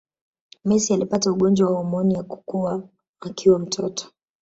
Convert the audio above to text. Messi alipata ugonjwa wa homoni ya kukua akiwa mtoto